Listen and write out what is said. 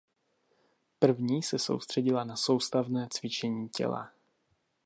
První se soustředila na soustavné cvičení těla.